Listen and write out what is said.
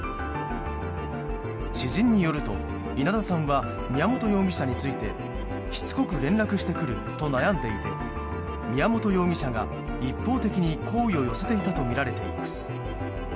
知人によると、稲田さんは宮本容疑者についてしつこく連絡してくると悩んでいて宮本容疑者が、一方的に好意を寄せていたとみられています。